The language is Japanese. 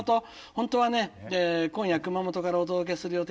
本当は今夜熊本からお届けする予定だったんです。